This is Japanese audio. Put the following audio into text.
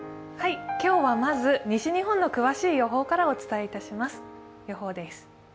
今日はまず西日本の詳しい予報からお伝えします。